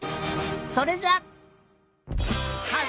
それじゃ！